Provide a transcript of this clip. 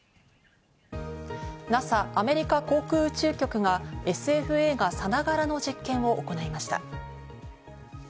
ＮＡＳＡ＝アメリカ航空宇宙局がＳＦ映画さながらの実験を行いました。